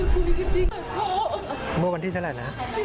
อยู่บ้านหลังนี้อยู่ด้วยมาตลอด